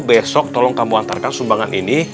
besok tolong kamu antarkan sumbangan ini